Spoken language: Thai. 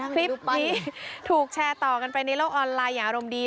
คลิปนี้ถูกแชร์ต่อกันไปในโลกออนไลน์อย่างอารมณ์ดี